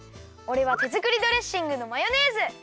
おれはてづくりドレッシングのマヨネーズ。